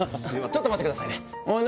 ちょっと待ってくださいねおい